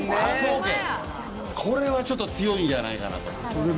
これはちょっと強いんじゃないかなと。